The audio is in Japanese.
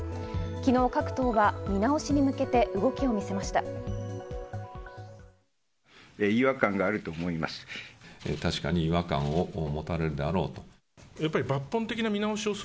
昨日、各党は見直しに向けて動きを見せました。